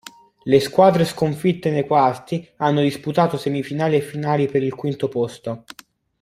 Le squadre sconfitte nei quarti hanno disputato semifinali e finali per il quinto posto.